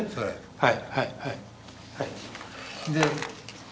はい。